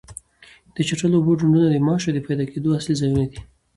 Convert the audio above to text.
د چټلو اوبو ډنډونه د ماشو د پیدا کېدو اصلي ځایونه دي.